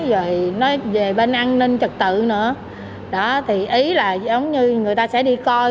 rồi nói về bên an ninh trật tự nữa thì ý là giống như người ta sẽ đi coi